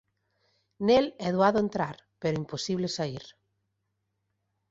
Nel é doado entrar pero imposible saír.